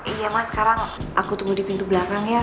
iya mas sekarang aku tunggu di pintu belakang ya